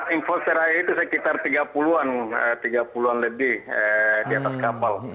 infos terakhir itu sekitar tiga puluh an lebih di atas kapal